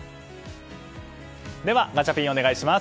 ではガチャピンお願いします。